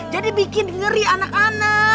jadi bikin ngeri anak anak